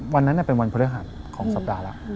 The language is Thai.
วันนั้นเป็นวันพฤหัสของสัปดาห์แล้ว